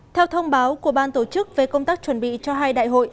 theo thông báo của ban tổ chức về công tác chuẩn bị cho hai đại hội